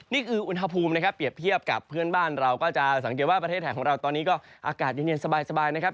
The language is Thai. นี่คืออุณหภูมินะครับเปรียบเทียบกับเพื่อนบ้านเราก็จะสังเกตว่าประเทศไทยของเราตอนนี้ก็อากาศเย็นสบายนะครับ